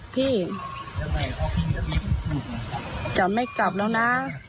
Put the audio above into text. พี่จะไม่กลับแล้วนะ